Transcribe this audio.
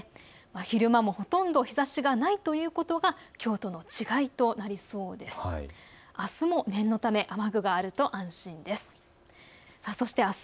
昼間もほとんど日ざしがないということがきょうとの違いとなりそうです。